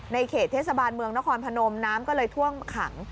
เขตเทศบาลเมืองนครพนมน้ำก็เลยท่วมขัง